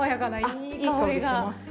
いい香りしますか。